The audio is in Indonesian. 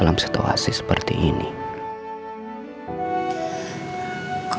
kamu suka banget makan rawon